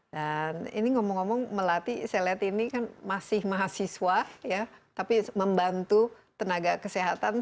dan ini ngomong ngomong melati saya lihat ini kan masih mahasiswa ya tapi membantu tenaga kesehatan